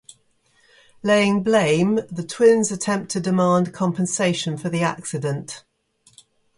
Laying blame, the twins attempt to demand compensation for the accident.